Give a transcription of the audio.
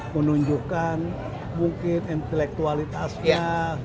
menunjukkan mungkin intelektualitasnya